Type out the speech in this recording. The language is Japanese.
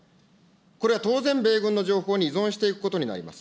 これは当然、米軍の情報に依存していくことになります。